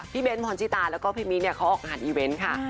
พี่เบนผ่อนจิตาแล้วก็พี่มิ๊ดเนี่ยเขาออกหาดอีเวรค่ะ